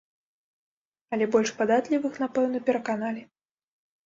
Але больш падатлівых, напэўна, пераканалі.